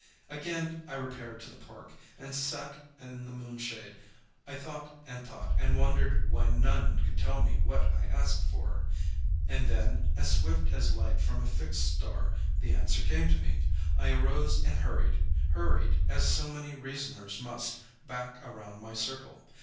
Again I repaired to the park and sat in the moon shade. I thought and thought, and wondered why none could tell me what I asked for. And then, as swift as light from a fixed star, the answer came to me. I arose and hurried hurried as so many reasoners must, back around my circle.